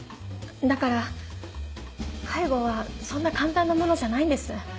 だから介護はそんな簡単なものじゃないんです。